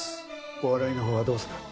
お笑いのほうはどうする？